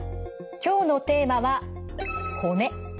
今日のテーマは骨。